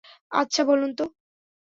আচ্ছা, বলুন তো।